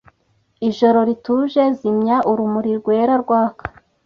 Ijoro rituje Zimya urumuri rwera rwaka;